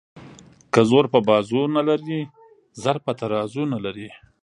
ـ که زور په بازو نه لري زر په ترازو نه لري.